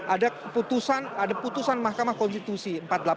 ada keputusan mahkamah konstitusi